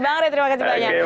bang arya terima kasih banyak